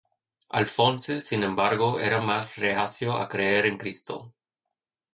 Alphonse, sin embargo, era más reacio a creer en Cristo.